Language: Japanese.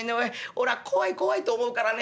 おら怖い怖いと思うからね